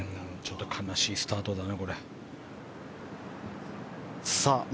悲しいスタートだね